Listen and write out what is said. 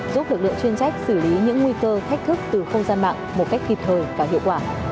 giúp lực lượng chuyên trách xử lý những nguy cơ thách thức từ không gian mạng một cách kịp thời và hiệu quả